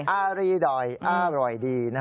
อารีดอยอร่อยดี